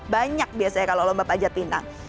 banyak biasanya kalau lomba panjatinang